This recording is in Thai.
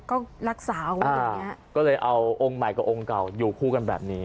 ก็รักษาเอาไว้อย่างเงี้ยก็เลยเอาองค์ใหม่กับองค์เก่าอยู่คู่กันแบบนี้